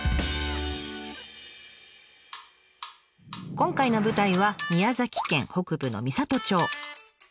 今回の舞台は宮崎県北部の美郷町。